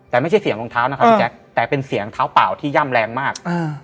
แต่ไม่ใช่เสียงรองเท้านะครับพี่แจ๊คแต่เป็นเสียงเท้าเปล่าที่ย่ำแรงมาก